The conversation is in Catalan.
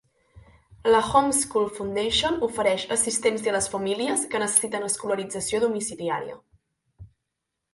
La Home School Foundation ofereix "assistència a les famílies que necessiten escolarització domiciliària".